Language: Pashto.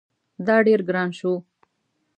دا ډیر ګران شو